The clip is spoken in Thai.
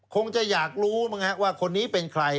คงจะอยากรู้มั้งว่าคนนี้เป็นใคร